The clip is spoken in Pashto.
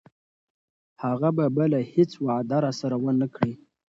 هغه به بله هیڅ وعده راسره ونه کړي.